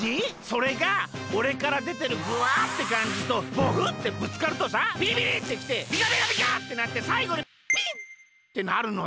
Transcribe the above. それがおれからでてるぐぁってかんじとボフッてぶつかるとさビリビリってきてビカビカビカってなってさいごにピンッてなるのよ。